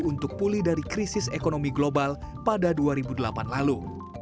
untuk pulih dari krisis ekonomi global pada dua ribu delapan lalu